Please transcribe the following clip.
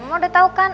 udah tau kan